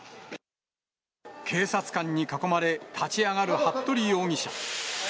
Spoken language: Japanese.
警察官に囲まれ、立ち上がる服部容疑者。